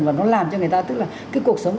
và nó làm cho người ta tức là cái cuộc sống